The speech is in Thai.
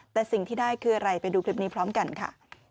แต่สิ่งที่ได้คืออะไรไปดูคลิปนี้พร้อมกันค่ะ